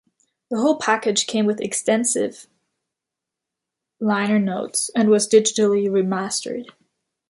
The whole package came with extensive liner notes and was digitally remastered.